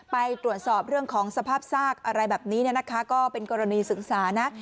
ไปตรวจสอบเรื่องของสภาพซากอะไรแบบนี้เนี่ยนะคะก็เป็นกรณีศึกษานะ